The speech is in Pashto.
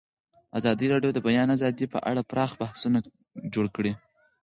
ازادي راډیو د د بیان آزادي په اړه پراخ بحثونه جوړ کړي.